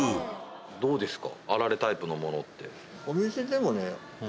どうですか？